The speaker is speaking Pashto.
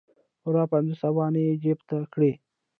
پوره پنځوس افغانۍ یې جیب ته کړې.